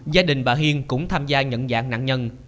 gia đình bà hiên cũng tham gia nhận dạng nạn nhân